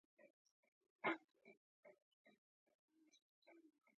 دا زما له پاره تر ټولو ښه خبره ده.